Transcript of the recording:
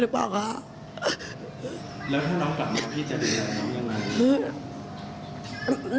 แล้วถ้าน้องกลับมาพี่จะดูแลน้องอย่างไร